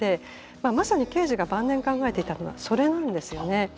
まさにケージが晩年考えていたのはそれなんですよね。